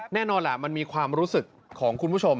แน่นอนล่ะมันมีความรู้สึกของคุณผู้ชม